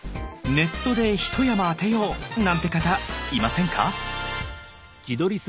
ネットで一山当てよう！なんて方いませんか？